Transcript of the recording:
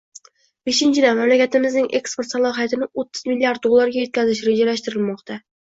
Beshinchidan, mamlakatimizning eksport salohiyatini o'ttiz milliard dollarga yetkazish rejalashtirilmoqda.